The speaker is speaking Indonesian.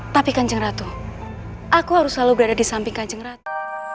tapi kanjeng ratu aku harus selalu berada di samping kanjeng ratu